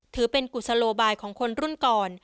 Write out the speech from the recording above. ถือเป็นกุศโลบายของคนรุ่นก่อน